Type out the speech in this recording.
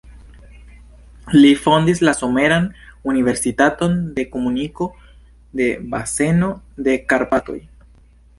Li fondis la Someran Universitaton de Komuniko de Baseno de Karpatoj.